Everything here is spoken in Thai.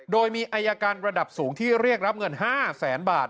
โดยมีอายการระดับสูงที่เรียกรับเงิน๕แสนบาท